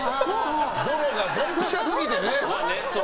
ゾロがドンピシャすぎて。